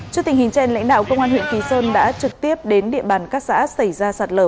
trước tình hình trên lãnh đạo công an huyện kỳ sơn đã trực tiếp đến địa bàn các xã xảy ra sạt lở